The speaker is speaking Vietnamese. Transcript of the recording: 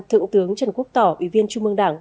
thượng tướng trần quốc tỏ ủy viên trung mương đảng